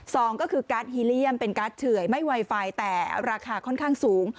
สองก็คือการ์ดฮีเลียมเป็นการ์ดเฉื่อยไม่ไวไฟแต่ราคาค่อนข้างสูง